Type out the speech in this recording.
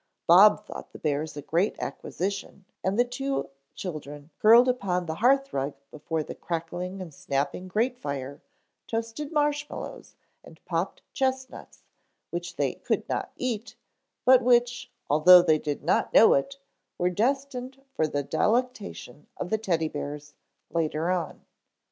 Bob thought the bears a great acquisition and then the two children, curled upon the hearth rug before the crackling and snapping grate fire, toasted marshmallows and popped chestnuts which they could not eat, but which, although they did not know it, were destined for the delectation of the Teddy bears later on.